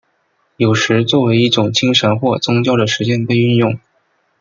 有时作为一种精神或宗教的实践被运用。